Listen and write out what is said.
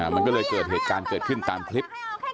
มันก็เลยเกิดเหตุการณ์เกิดขึ้นตามคลิป